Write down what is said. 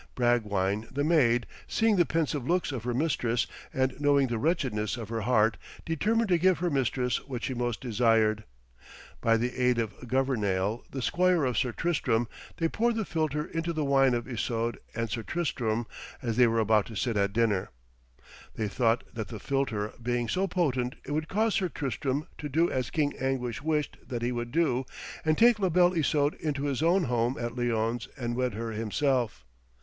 Bragwine the maid, seeing the pensive looks of her mistress, and knowing the wretchedness of her heart, determined to give her mistress what she most desired. By the aid of Governale, the squire of Sir Tristram, they poured the philtre into the wine of Isoude and Sir Tristram as they were about to sit at dinner. They thought that the philtre being so potent, it would cause Sir Tristram to do as King Anguish wished that he would do, and take La Belle Isoude into his own home at Lyones and wed her himself.